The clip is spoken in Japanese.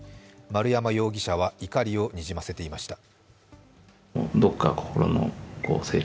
丸山容疑者は怒りをにじませていました。